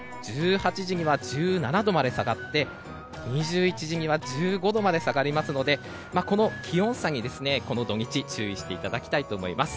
１８時には１７度まで下がって２１時には１５度まで下がりますのでこの気温差に土日、注意していただきたいと思います。